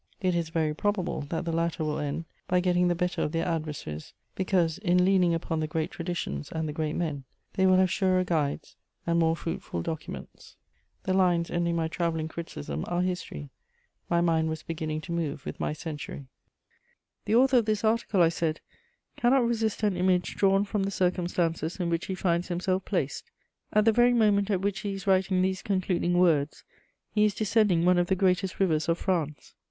It is very probable that the latter will end by getting the better of their adversaries, because, in leaning upon the great traditions and the great men, they will have surer guides and more fruitful documents." The lines ending my travelling criticism are history; my mind was beginning to move with my century: "The author of this article," I said, "cannot resist an image drawn from the circumstances in which he finds himself placed. At the very moment at which he is writing these concluding words he is descending one of the greatest rivers of France.